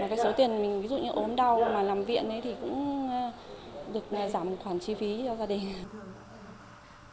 mà cái số tiền mình ốm đau mà làm viện thì cũng được giảm khoản chi phí cho gia đình